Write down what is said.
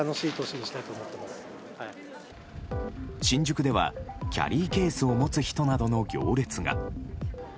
新宿ではキャリーケースを持つ人などの行列が。